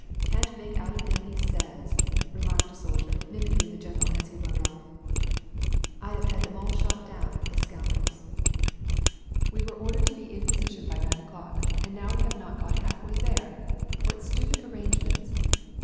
can't make out a thing he says," remarked a soldier mimicking the general as he rode off. " I'd have had them all shot down, the scoun drels!" " We were ordered to be in {x>sition by nine o'clock, and now WAR AND PEACE. 831 ve have not got half way there ! What stupid arrangements